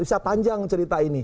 usaha panjang cerita ini